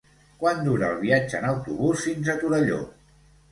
Quant dura el viatge en autobús fins a Torelló?